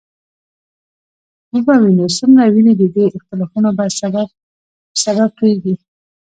وبه وینو څومره وینې د دې اختلافونو په سبب تویېږي.